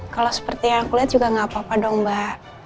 kalau seperti yang aku lihat juga nggak apa apa dong mbak